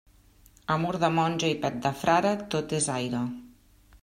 Amor de monja i pet de frare, tot és aire.